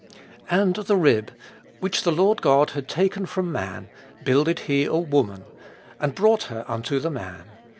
And the rib, which the Lord God had taken from man, builded he a woman, and brought her unto the man.